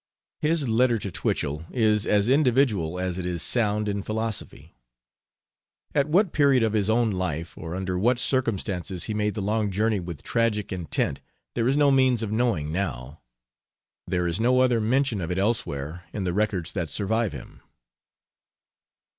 His letter to Twichell is as individual as it is sound in philosophy. At what period of his own life, or under what circumstances, he made the long journey with tragic intent there is no means of knowing now. There is no other mention of it elsewhere in the records that survive him.